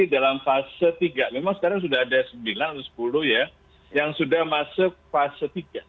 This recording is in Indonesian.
jadi dalam fase tiga memang sekarang sudah ada sembilan atau sepuluh ya yang sudah masuk fase tiga